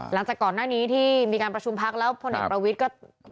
หลังจากก่อนหน้านี้ที่มีการประชุมพักแล้วพลเอกประวิทย์ก็